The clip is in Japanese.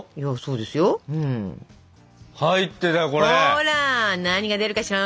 ほら何が出るかしら？